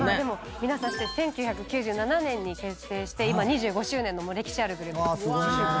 皆さん知ってる１９９７年に結成して今２５周年の歴史あるグループです。